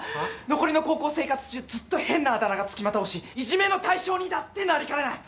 残りの高校生活中ずっと変なあだ名がつきまとうしいじめの対象にだってなりかねないねっ！